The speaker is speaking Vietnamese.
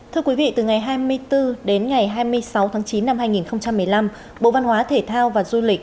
thưa quý vị từ ngày hai mươi bốn đến ngày hai mươi sáu tháng chín năm hai nghìn một mươi năm bộ văn hóa thể thao và du lịch